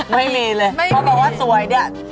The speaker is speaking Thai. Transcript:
ไม่มีเลยเพราะว่าสวยเนี่ย